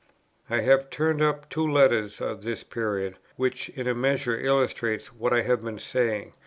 I have turned up two letters of this period, which in a measure illustrate what I have been saying.